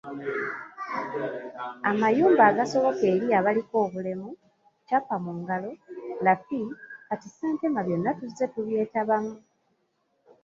Amayumba agasoboka eri abaliko obulemu, Kyapa mungalo, Lafi, kati Ssentema byonna tuzze tubyetabamu.